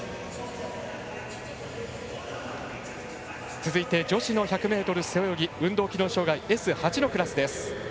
続いて女子の１００ｍ背泳ぎ運動機能障がいＳ８のクラスです。